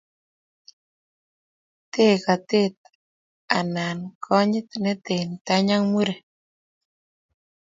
Teekatet ana konyit Te tany ak muren